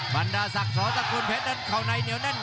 บรรดาศักดิ์สวนตระกูลเพชรนั่นเขาในเหนียวแน่น